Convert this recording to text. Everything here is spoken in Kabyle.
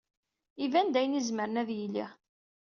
Iban d ayen izemren ad yili.